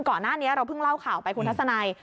ก่อนหน้านี้เราเพิ่งเล่าข่าวไปคุณทัศนัย